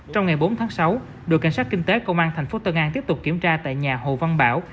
trong ngày bốn tháng sáu đội cảnh sát kinh tế công an thành phố tân an tiếp tục kiểm tra tại nhà hồ văn bảo